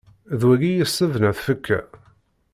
D wagi i yes-s tebna tfekka?